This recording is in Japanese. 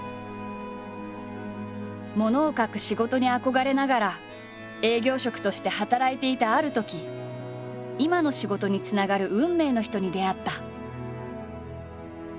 ものを書く仕事に憧れながら営業職として働いていたあるとき今の仕事につながる運命の人に出会った。